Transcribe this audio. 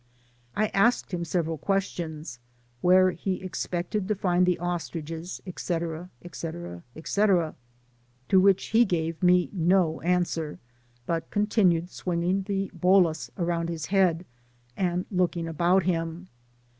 I asked him several questions— where he expected to find the ostriches, &c. &c. Sec, to which he gave me no answer, but continued swinging the balls round his head, and looking about him.